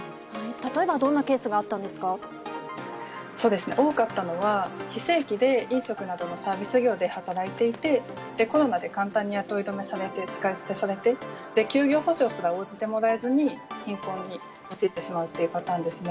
例えばどんなケースがあったそうですね、多かったのは、非正規で飲食などのサービス業で働いていて、コロナで簡単に雇い止めされて、使い捨てされて、休業補償すら応じてもらえずに、貧困に陥ってしまうというパターンですね。